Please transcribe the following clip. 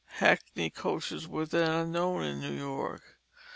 Hackney coaches were then unknown in New York.